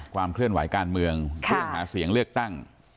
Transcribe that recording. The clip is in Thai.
ความเคลื่อนไหวการเมืองเรื่องหาเสียงเลือกตั้ง